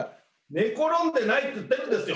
寝転んでないって言ってるんですよ。